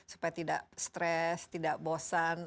supaya tidak stres tidak bosan